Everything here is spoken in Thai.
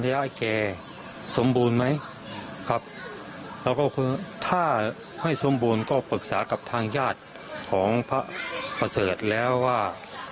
เราก็คือถ้าไม่สมบูรณ์ก็ปรึกษากับทางญาติของพระเศรษฐ์แล้วว่า